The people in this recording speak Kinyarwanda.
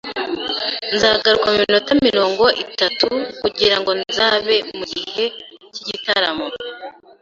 Nzagaruka muminota mirongo itatu kugirango nzabe mugihe cyigitaramo.